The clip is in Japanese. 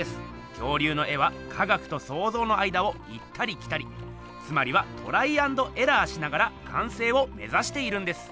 恐竜の絵は科学とそうぞうの間を行ったり来たりつまりはトライアンドエラーしながらかんせいを目ざしているんです。